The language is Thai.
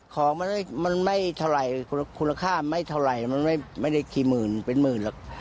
ของมันไม่เท่าไหร่คุณค่าไม่เท่าไหร่มันไม่ได้กี่หมื่นเป็นหมื่นหรอก